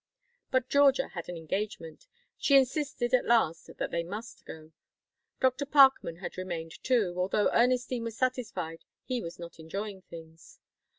But Georgia had an engagement. She insisted at last that they must go. Dr. Parkman had remained too, although Ernestine was satisfied he was not enjoying things.